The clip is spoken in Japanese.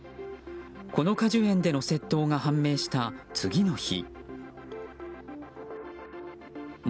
この果樹園での窃盗が判明した次の日。